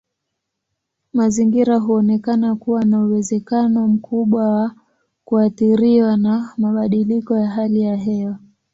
Mazingira huonekana kuwa na uwezekano mkubwa wa kuathiriwa na mabadiliko ya hali ya hewa.